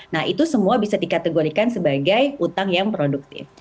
nah itu semua bisa dikategorikan sebagai hutang yang produktif